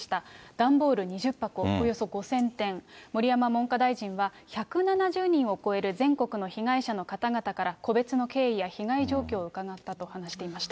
段ボール２０箱、およそ５０００点、盛山文科大臣は１７０人を超える全国の被害者の方々から個別の経緯や被害状況をうかがったと話していました。